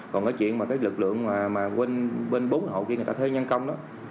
còn cái chuyện mà lực lượng bên bốn hộ kia người ta thuê nhân công đó